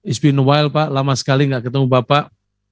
it s been a while pak lama sekali enggak ketemu bapak